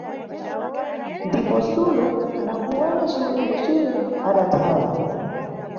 Ndipo Sulo, nakuwona ciwembo cire, adathawa.